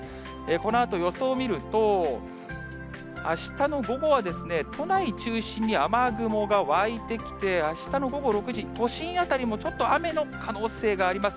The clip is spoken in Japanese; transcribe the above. このあと予想見ると、あしたの午後は、都内中心に雨雲が湧いてきて、あしたの午後６時、都心辺りもちょっと雨の可能性があります。